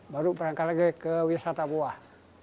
baru berangkat lagi ke wisata buah